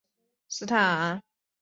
列兹金斯坦。